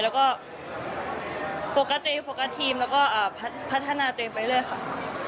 แล้วก็โฟกัสตัวเองโฟกัสทีมแล้วก็พัฒนาตัวเองไปเรื่อยค่ะ